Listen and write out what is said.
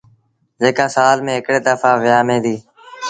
جيڪآ سآل ميݩ هڪڙي دڦآ ويٚآمي ديٚ۔